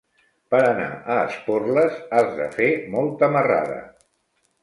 Per anar a Esporles has de fer molta marrada.